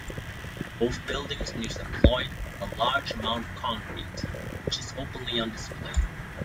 Both buildings use employed a large amount of concrete, which is openly on display.